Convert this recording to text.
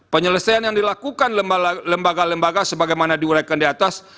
penyelesaian yang dilakukan lembaga lembaga sebagaimana diwiraikan diatas